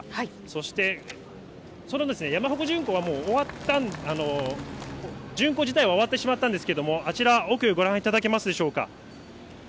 そして、その山鉾巡行は、終わった、巡行自体は終わったんですけれども、あちら奥、ご覧いただけますでしょうか。